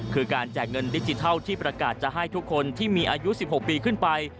คือการแจกเงินดิจิทัลที่ประกาศจะให้ทุกคนที่มีอายุ๑๖ปีขึ้นไป